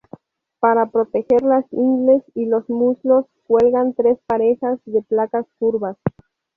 Para proteger las ingles y los muslos cuelgan tres parejas de placas curvas.